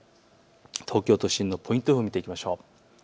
東京都心のポイント予報を見ていきましょう。